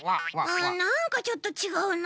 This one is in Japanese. うんなんかちょっとちがうな。